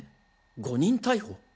誤認逮捕？